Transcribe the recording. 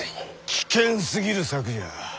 危険すぎる策じゃ。